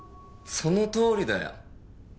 そのとおりだよ。